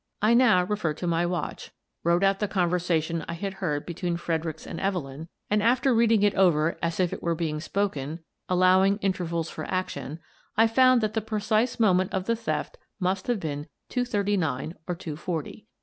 I now Bromley Grows Mysterious 221 referred to my watch, wrote out the conversation I had heard between Fredericks and Evelyn, and, reading it over as if it were being spoken — allow ing intervals for action — I found that the precise moment of the theft must have been two thirty nine or two forty.